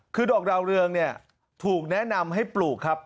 คือดอกดาวเรืองเนี่ยถูกแนะนำให้ปลูกครับ